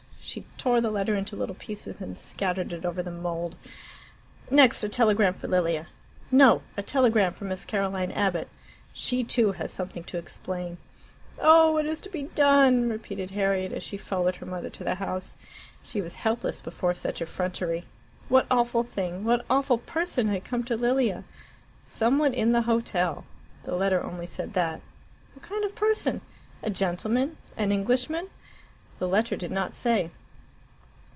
She tore the letter into little pieces and scattered it over the mould. "Next, a telegram for Lilia! No! a telegram for Miss Caroline Abbott. She, too, has something to explain." "Oh, what is to be done?" repeated Harriet, as she followed her mother to the house. She was helpless before such effrontery. What awful thing what awful person had come to Lilia? "Some one in the hotel." The letter only said that. What kind of person? A gentleman? An Englishman? The letter did not say.